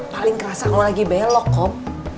paling kerasa kamu lagi belok kom